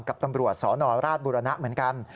กับตำรวจสนราชบุรณะเหมือนกัน